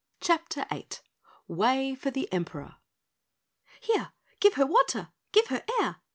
CHAPTER 8 Way for the Emperor! "Here, give her water! Give her air!